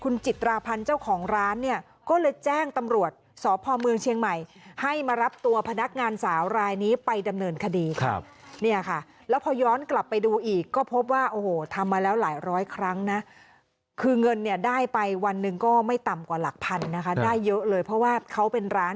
น้องเขาเวลาคิดตังค์ลูกค้าอะไรอย่างนี้ค่ะ